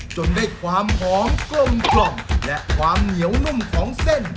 จนได้ความหอมกลมและความเหนียวนุ่มของเส้น